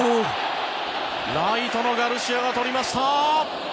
ライトのガルシアがとりました。